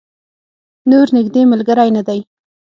نور نږدې ملګری نه دی.